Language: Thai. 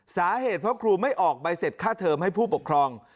สาเหตุเพราะครูไม่ออกใบเสร็จค่าเทอมให้ผู้ปกครอง